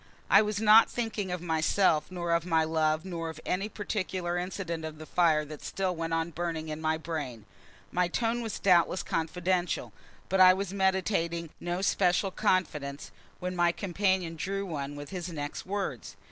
I was not thinking of myself, nor of my love, nor of any particular incident of the fire that still went on burning in my brain. My tone was doubtless confidential, but I was meditating no special confidence when my companion drew one with his next words.